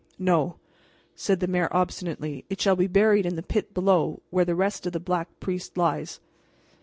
"No," said the mayor obstinately, "it shall be buried in the pit below where the rest of the Black Priest lies."